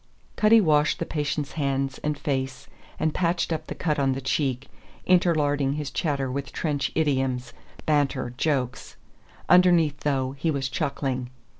Cutty washed the patient's hands and face and patched up the cut on the cheek, interlarding his chatter with trench idioms, banter, jokes. Underneath, though, he was chuckling.